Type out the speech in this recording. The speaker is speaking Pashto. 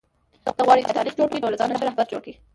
که غواړى، چي تاریخ جوړ کئ؛ نو له ځانه ښه راهبر جوړ کئ!